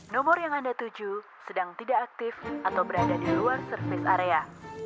nomor yang anda tuju sedang tidak aktif atau berada di luar service area